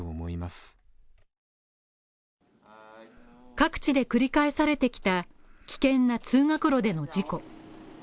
各地で繰り返されてきた危険な通学路での事故。